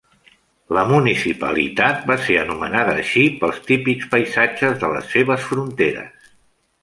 La municipalitat va ser anomenada així pels típics paisatges de les seves fronteres.